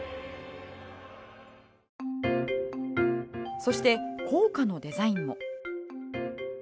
そして、硬貨のデザインも。